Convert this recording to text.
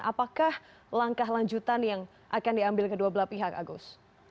apakah langkah lanjutan yang akan diambil kedua belah pihak agus